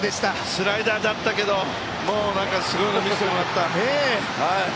スライダーだったけどもうすごいの見せてもらった！